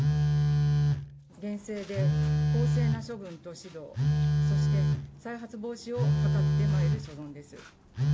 厳正で公正な処分と指導、そして再発防止を図ってまいる所存です。